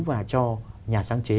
và cho nhà sáng chế